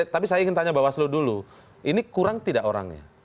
tapi saya ingin tanya bawaslu dulu ini kurang tidak orangnya